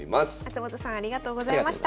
松本さんありがとうございました。